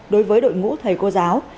đối với đội ngũ thầy cô giáo